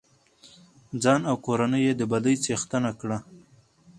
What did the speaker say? ځان او کورنۍ يې د بدۍ څښتنه کړه.